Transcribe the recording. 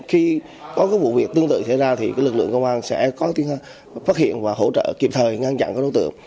khi có vụ việc tương tự xảy ra thì lực lượng công an sẽ có phát hiện và hỗ trợ kịp thời ngăn chặn các đối tượng